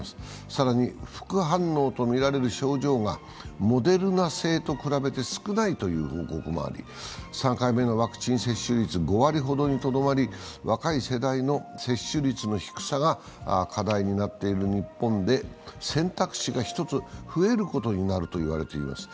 更に副反応とみられる症状がモデルナ製と比べて少ないという報告もあり、３回目のワクチン接種率、５割ほどにとどまり若い世代の接種率の低さが課題になっている日本で選択肢が１つ増えることになるといわれています。